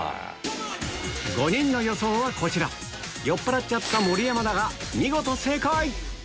５人の予想はこちら酔っぱらっちゃった盛山だが見事正解！